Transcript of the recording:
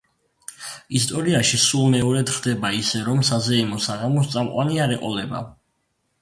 ისტორიაში სულ მეორედ ხდება ისე, რომ საზეიმო საღამოს წამყვანი არ ეყოლება.